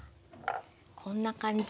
こんな感じ。